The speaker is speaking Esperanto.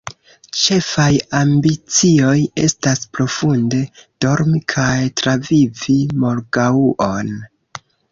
Ĉefaj ambicioj estas profunde dormi kaj travivi morgaŭon.